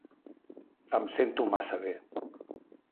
Em sento massa bé.